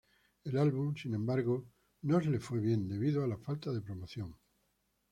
El álbum sin embargo, no les fue bien, debido a la falta de promoción.